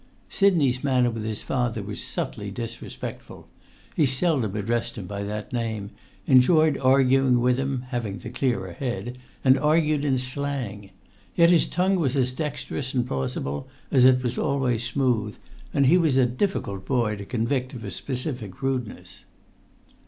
Sidney's manner with his father was subtly disrespectful; he seldom addressed him by that name, enjoyed arguing with him (having the clearer head), and argued in slang. Yet his tongue was as dexterous and plausible as it was always smooth, and he was a difficult boy to convict of a specific rudeness.